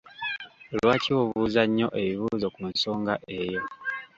Lwaki obuuza nnyo ebibuuzo ku nsonga eyo?